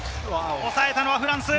抑えたのはフランス。